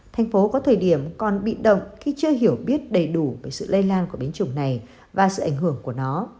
thành phố có thời điểm còn bị động khi chưa hiểu biết đầy đủ về sự lây lan của biến chủng này và sự ảnh hưởng của nó